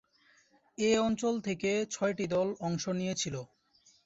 এ অঞ্চল থেকে ছয়টি দল অংশ নিয়েছিল।